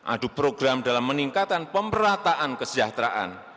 adu program dalam meningkatkan pemerataan kesejahteraan